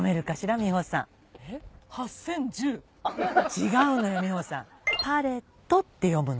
違うのよ美穂さん。って読むの。